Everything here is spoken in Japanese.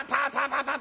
パパ！